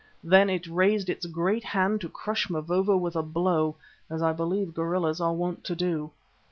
Then it raised its great hand to crush Mavovo with a blow, as I believe gorillas are wont to do.